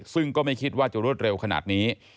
ซึ่งก็ไม่คิดว่าจะรวดเร็วขนาดนี้